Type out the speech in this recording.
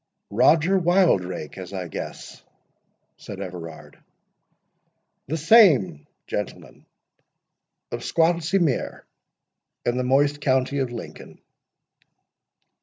"Roger Wildrake, as I guess?" said Everard. "The same—Gentleman; of Squattlesea mere, in the moist county of Lincoln."